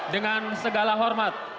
dengan segala hormat